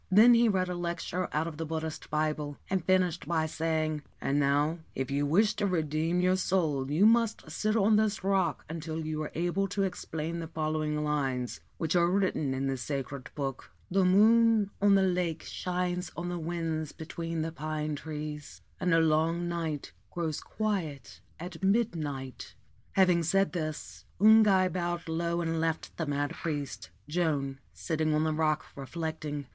Then he read a lecture out of the Buddhist Bible, and finished by saying, ' And now, if you wish to redeem your soul, you must sit on this rock until you are able to explain the following lines, which are written in this sacred book :' The moon on the lake shines on the winds between the pine trees, and a long night grows quiet at midnight! Having said this, Ungai bowed low and left the mad priest, Joan, seated on the rock reflecting.